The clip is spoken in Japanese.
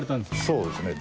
そうですね。